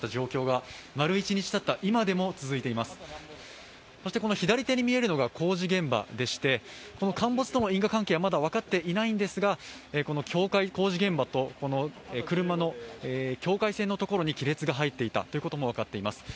そして左手に見えるのが工事現場でしてこの陥没との因果関係はまだ分かっていないんですが、工事現場と境界線のところに亀裂が入っていたことも分かっています。